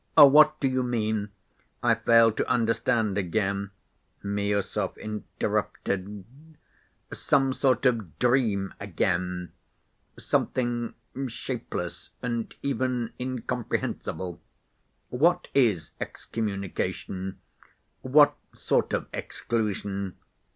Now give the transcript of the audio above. "What do you mean? I fail to understand again," Miüsov interrupted. "Some sort of dream again. Something shapeless and even incomprehensible. What is excommunication? What sort of exclusion?